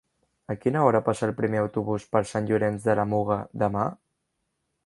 A quina hora passa el primer autobús per Sant Llorenç de la Muga demà?